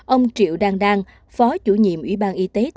ông triệu đan đan phó chủ nhiệm ủy ban y tế